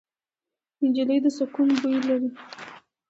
نجلۍ د سکون بوی لري.